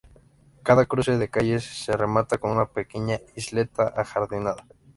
Cada cruce de calles se remataba con una pequeña isleta ajardinada.